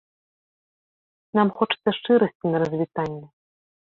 Нам хочацца шчырасці на развітанне.